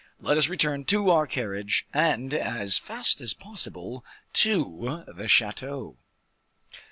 Let us return to our carriage, and, as fast as possible, to the chateau."